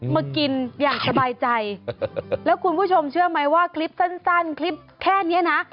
มากินอย่างสบายใจแล้วคุณผู้ชมเชื่อไหมว่าคลิปสั้นคลิปแค่นี้นะ